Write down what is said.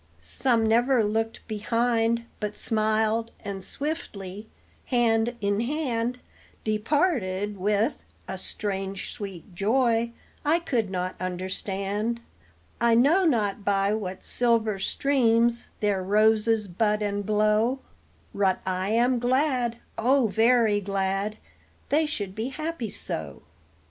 Some never looked behind, but smiled, and swiftly, hand in hand, Departed with, a strange sweet joy I could not understand; I know not by what silver streams their roses bud and blow, Rut I am glad O very glad they should be happy so.